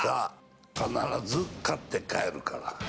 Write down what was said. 必ず勝って帰るから。